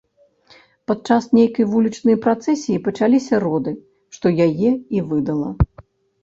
Падчас нейкай вулічнай працэсіі пачаліся роды, што яе і выдала.